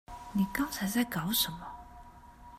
你剛才在搞什麼？